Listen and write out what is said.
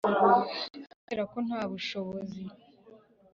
kubera ko nta bushobozi